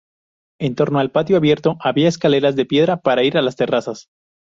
En torno al patio abierto había escaleras de piedra para ir a las terrazas.